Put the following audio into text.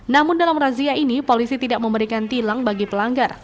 namun dalam razia ini polisi tidak memberikan tilang bagi pelanggar